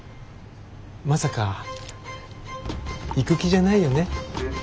まさか行く気じゃないよね？